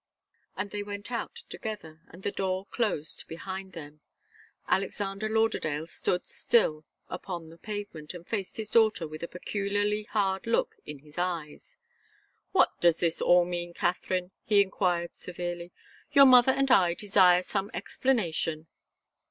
They went out together, and the door closed behind them. Alexander Lauderdale stood still upon the pavement and faced his daughter, with a peculiarly hard look in his eyes. "What does this all mean, Katharine?" he enquired, severely. "Your mother and I desire some explanation."